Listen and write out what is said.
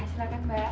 ya silakan mbak